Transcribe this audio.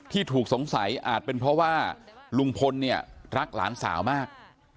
ที่ถูกสงสัยอาจเป็นเพราะว่าลุงพลเนี่ยรักหลานสาวมาก